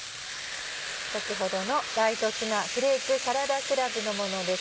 先ほどの「ライトツナサラダクラブ」のものです。